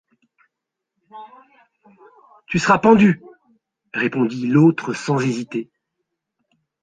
Tu seras pendu, répondit l’autre sans hésiter.